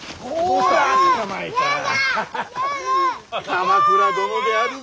鎌倉殿であるぞ。